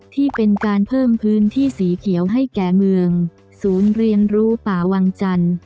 ที่เป็นการเพิ่มพื้นที่สีเขียวให้แก่เมืองศูนย์เรียนรู้ป่าวังจันทร์